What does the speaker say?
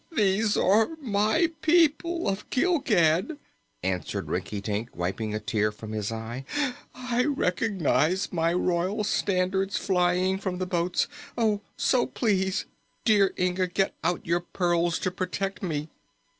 "They are my people of Gilgad!" answered Rinkitink, wiping a tear from his eye. "I recognize my royal standards flying from the boats. So, please, dear Inga, get out your pearls to protect me!"